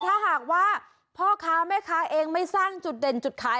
ถ้าหากว่าพ่อค้าแม่ค้าเองไม่สร้างจุดเด่นจุดขาย